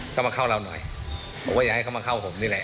ก็มาเข้าเราหน่อยบอกว่าอย่าให้เขามาเข้าผมนี่แหละ